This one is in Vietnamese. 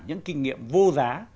những kinh nghiệm vô giá